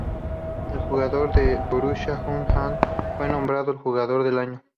El jugador del Borussia, Uwe Rahn fue nombrado jugador del año.